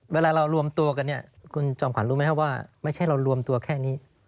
เวลาเรารวมตัวกันเนี่ยคุณจอมขวัญรู้ไหมครับว่าไม่ใช่เรารวมตัวแค่นี้